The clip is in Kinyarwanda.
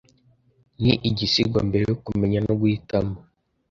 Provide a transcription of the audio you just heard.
ni igisigo mbere yo kumenya no guhitamo